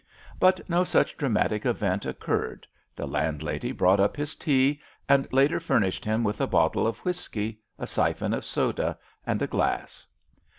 But no such dramatic event occurred; the landlady brought up his tea, and later furnished him with a bottle of whisky, a siphon of soda, and a glass.